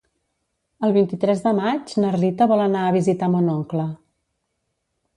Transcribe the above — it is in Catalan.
El vint-i-tres de maig na Rita vol anar a visitar mon oncle.